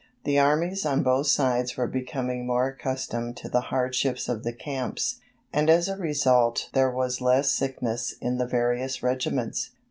The armies on both sides were becoming more accustomed to the hardships of the camps, and as a result there was less sickness in the various regiments.